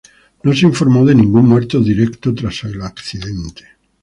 No se informó de ningún muerto directo tras el accidente.